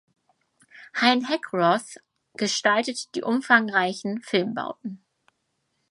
Hein Heckroth gestaltete die umfangreichen Filmbauten.